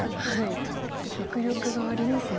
ちょっと迫力がありますね。